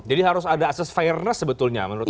jadi harus ada access fairness sebetulnya menurut anda